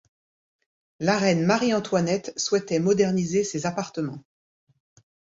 La reine Marie-Antoinette souhaitait moderniser ses appartements.